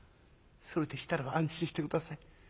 「それでしたらば安心して下さい。